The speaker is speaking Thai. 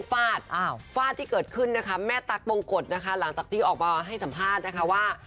ฟาดฟาดที่เกิดขึ้นนะคะแม่ตั๊กมงกฎนะคะหลังจากที่ออกมาให้สัมภาษณ์นะคะว่า